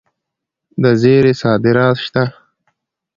د زیرې صادرات شته.